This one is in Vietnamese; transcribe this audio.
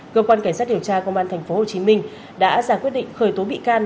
cơ quan cảnh sát điều tra công an tp hcm đã ra quyết định khởi tố bị can